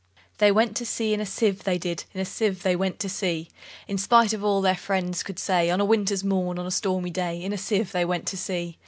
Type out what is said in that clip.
They went to sea in a sieve, they did; In a sieve they went to sea: In spite of all their friends could say, On a winter's morn, on a stormy day, In a sieve they went to sea.